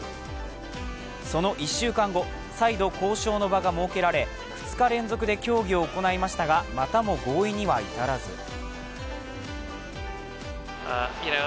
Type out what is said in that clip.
その１週間後、再度交渉の場が設けられ２日連続で協議を行いましたが、またも合意には至らず。